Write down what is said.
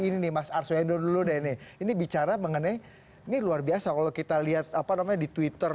ini nih mas arswendo dulu deh nih ini bicara mengenai ini luar biasa kalau kita lihat apa namanya di twitter